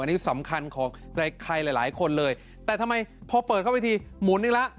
อันนี้สำคัญของใครหลายหลายคนเลยแต่ทำไมพอเปิดเข้าไปทีหมุนอีกแล้ว